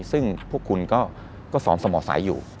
ซึ่งพวกคุณก็ซ้อมสม่อไซส์อยู่